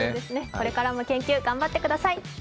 これからも研究頑張ってください。